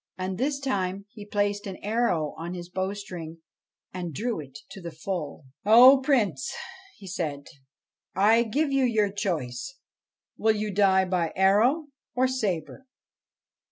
And this time he placed an arrow on his bowstring and drew it to the full. ' O Prince,' he said, ' I give you your choice : will you die by arrow or sabre